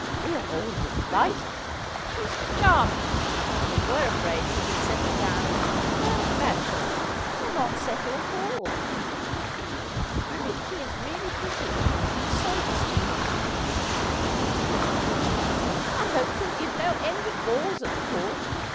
We are all delighted. She is charming; and we were afraid he would settle down as a confirmed bachelor, or not settle at all." "She is really pretty, and so distinguished looking," the other girl joined in. "I hope she'll give no end of balls at the Court.